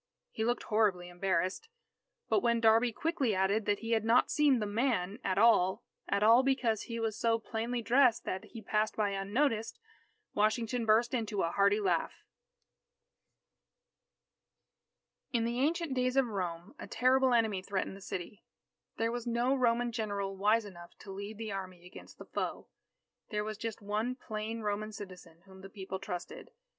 He looked horribly embarrassed. But when "Darby" quickly added that he had not seen the "man" at all at all because he was so plainly dressed that he passed by unnoticed, Washington burst into a hearty laugh._ In the ancient days of Rome, a terrible enemy threatened the city. There was no Roman general wise enough to lead the army against the foe. There was just one plain Roman citizen whom the people trusted.